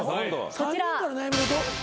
こちら。